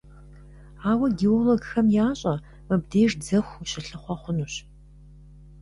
Ауэ геологхэм ящӀэ: мыбдеж дзэху ущылъыхъуэ хъунущ.